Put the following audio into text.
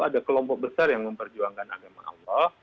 ada kelompok besar yang memperjuangkan agama allah